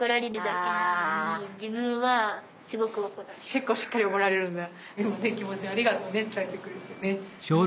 結構しっかり怒られるんだ。